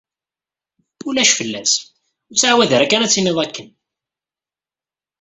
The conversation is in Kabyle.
Ulac fell-as, ur ttεawad ara kan ad tiniḍ akken.